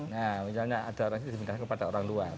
nah misalnya ada orang ini di pindahkan kepada orang luar